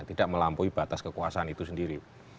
tidak melampaui batas kekuasaan itu sendiri